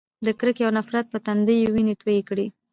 د کرکې او نفرت په تندو یې وینې تویې کړې.